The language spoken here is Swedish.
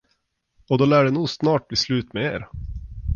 Och då lär det nog snart bli slut med er.